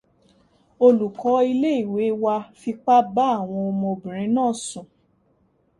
Olùkọ́ ilé ìwé wa fipá bá àwọn ọmọbìnrin náa sùn.